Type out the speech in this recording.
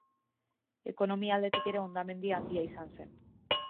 Ekonomia aldetik ere hondamendia handia izan zen.